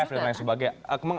tgpf dan lain sebagainya